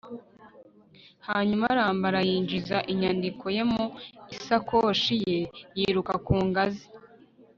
Hanyuma arambara yinjiza inyandiko ye mu isakoshi ye yiruka ku ngazi